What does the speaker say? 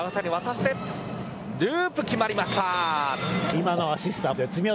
ループ、決まりました。